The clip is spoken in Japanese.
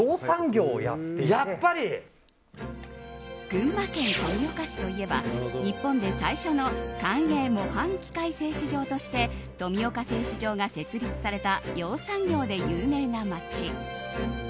群馬県富岡市といえば日本で最初の官営模範器械製糸場として富岡製糸場が設立された養蚕業で有名な町。